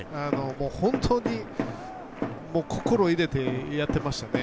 本当に心入れてやってましたね。